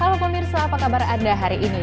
halo pemirsa apa kabar anda hari ini